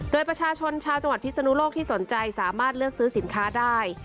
โดยประชาชนชาวจังหวัดพิศนุโลกที่สนใจสามารถเลือกซื้อสินค้าได้